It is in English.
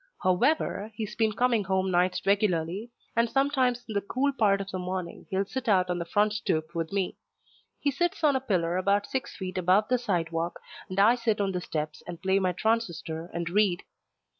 However, he's been coming home nights regularly, and sometimes in the cool part of the morning he'll sit out on the front stoop with me. He sits on a pillar about six feet above the sidewalk, and I sit on the steps and play my transistor and read.